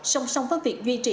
song song với việc duy trì